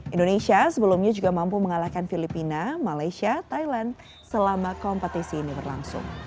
indonesia sebelumnya juga mampu mengalahkan filipina malaysia thailand selama kompetisi ini berlangsung